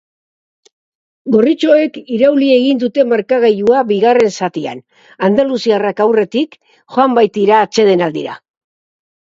Gorritxoek irauli egin dute markagailua bigarren zatian, andaluziarrak aurretik joan baitira atsedenaldira.